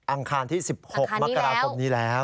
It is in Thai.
อังคารที่สิบหกมากราวพรุ่งนี้แล้ว